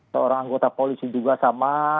seorang anggota polisi juga sama